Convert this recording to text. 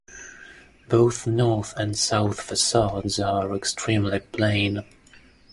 Both north and south facades are extremely plain.